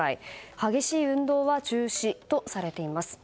激しい運動は中止とされています。